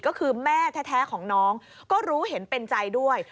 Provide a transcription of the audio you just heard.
ก็คือแม่แท้ของน้องก็รู้เห็นเป็นใจด้วย